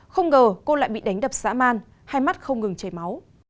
không ngờ cô lại bị đánh đập xã man hai mắt không ngừng chảy máu